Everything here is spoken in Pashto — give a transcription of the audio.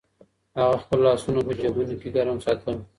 هغه خپل لاسونه په جېبونو کې ګرم ساتل.